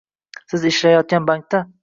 siz ishlayotgan bankda